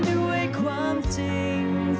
ด้วยความจริง